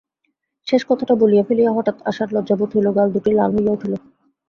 শেষ কথাটা বলিয়া ফেলিয়া হঠাৎ আশার লজ্জাবোধ হইল, গাল-দুটি লাল হইয়া উঠিল।